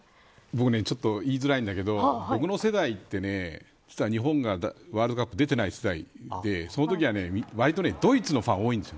僕ちょっと言いづらいんだけど僕の世代って実は日本がワールドカップ出ていない世代でそのときはわりとドイツのファンが多いんです。